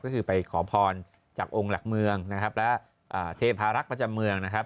ก็คือไปขอพรจากองค์หลักเมืองนะครับและเทพารักษ์ประจำเมืองนะครับ